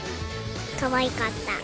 かわいかった。